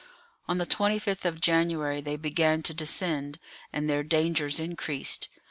On the 25th of January they began to descend, and their dangers increased.